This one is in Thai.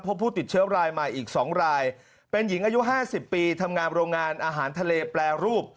พบผู้ติดเชื้อรายใหม่อีก๒รายเป็นหญิงอายุ๕๐ปีทำงานโรงงานอาหารทะเลแปรรูป